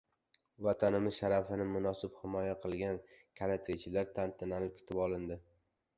Vatanimiz sharafini munosib himoya qilgan karatechilar tantanali kutib olindi